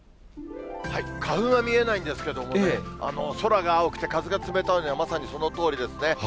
花粉は見えないんですけどもね、空が青くて風が冷たいのはまさにそのとおりですね。